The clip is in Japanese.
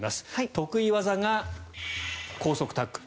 得意技が高速タックル。